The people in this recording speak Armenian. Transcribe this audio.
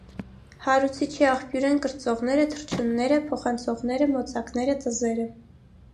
Հարուցիչի աղբյուր են կրծողները, թռչունները, փոխանցողները՝ մոծակները, տզերը։